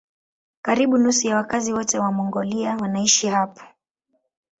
Karibu nusu ya wakazi wote wa Mongolia wanaishi hapa.